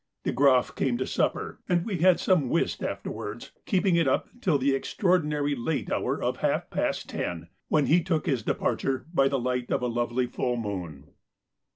De Groff came to supper, and we had some whist afterwards, keeping it up till the extraordinarily late hour of half past ten, when he took his departure by the light of a lovely full moon.